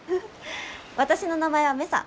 私の名前はメサ。